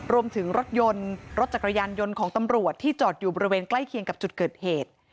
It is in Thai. รวมถึงรถยนต์รถจักรยานยนต์ของตำรวจที่จอดอยู่บริเวณใกล้เคียงกับจุดเกิดเหตุ